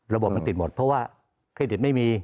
ระบบมันติดหมดเพราะว่าเครดิตไม่มี